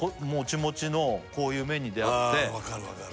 わかるわかる